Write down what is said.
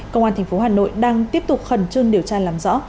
công an thành phố hà nội đang tiếp tục khẩn trương điều tra làm rõ